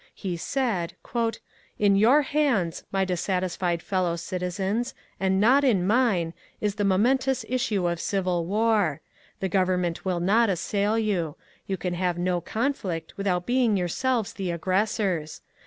He said, ^^ In your hands, my dissatisfied fellow citizens, and not in mine, is the momentous issue of civil war. The government will not assail you. You can have no conflict without being yourselves the aggressors.